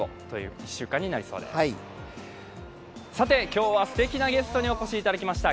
今日は素敵なゲストにお越しいただきました。